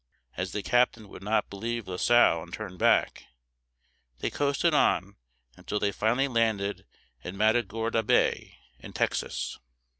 As the captain would not believe La Salle and turn back, they coasted on until they finally landed at Mat a gor´da Bay, in Texas.